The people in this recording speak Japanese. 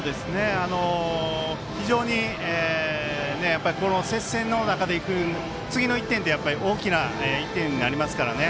非常に接戦の中でいく次の１点って大きな１点になりますからね